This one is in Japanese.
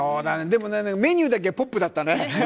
でもね、メニューだけポップだったね。